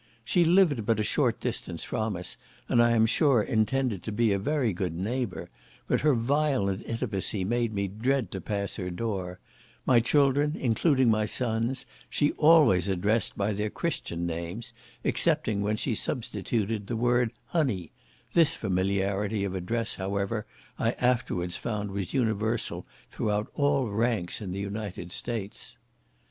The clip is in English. She lived but a short distance from us, and I am sure intended to be a very good neighbour; but her violent intimacy made me dread to pass her door; my children, including my sons, she always addressed by their Christian names, excepting when she substituted the word "honey;" this familiarity of address, however, I afterwards found was universal throughout all ranks in the United States.